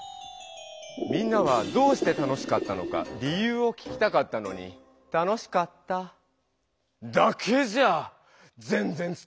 みんなはどうして楽しかったのか理由を聞きたかったのに「楽しかった」だけじゃぜんぜん伝わらなかったけどね。